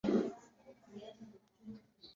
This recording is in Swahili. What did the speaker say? Baada ya kukua huweza kuuzwa.